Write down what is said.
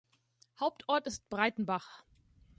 Hauptort ist Breitenbach.